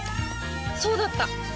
そうだった！